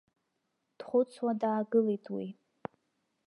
Дхәыцуа даагылеит уи.